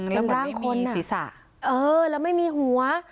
และมันไม่มีศีรษะเออแล้วไม่มีหัว